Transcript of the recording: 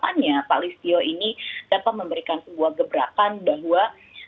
harapannya pak listio ini dapat memberikan sebuah gebrakan bahwa